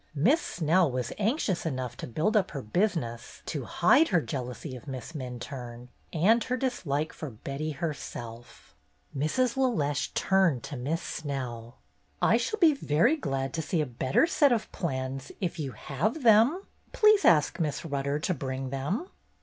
Miss Snell was anxious enough to build up her business to hide her jealousy of Miss Minturne and her dislike for Betty herself. Mrs. LeLeche turned to Miss Snell. "I shall be very glad to see a better set of plans if you have them. Please ask Miss Rutter to bring them."